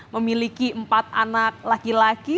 memiliki empat anak laki laki